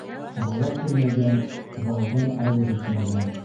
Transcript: Бала күрмәгән балдан ауыҙ итмәгән.